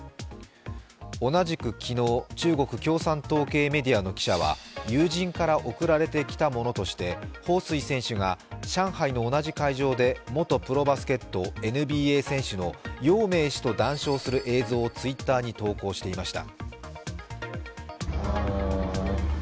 同じく昨日、中国共産党系メディアの記者は友人から送られてきたものとして彭帥選手が上海の同じ会場で元ＮＢＡプロバスケット選手姚明氏と談笑する映像をＴｗｉｔｔｅｒに投稿していました。